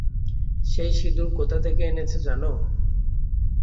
সেই সিঁদুর কোথা থেকে এনেছে জান?